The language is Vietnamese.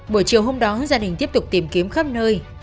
buổi chiều hôm đó gia đình tiếp tục tìm kiếm khắp nơi